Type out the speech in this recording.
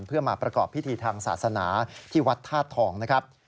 เพื่อมาประกอบพิธีทางศาสนาที่วัดธาตุทองนะครับ